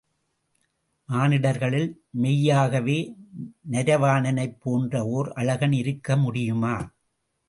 மானிடர்களில் மெய்யாகவே நரவாணனைப் போன்ற ஓர் அழகன் இருக்க முடியுமா?